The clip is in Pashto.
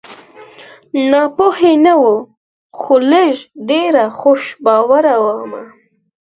ناپوهي نه وه خو لږ ډېره خوش باوره ومه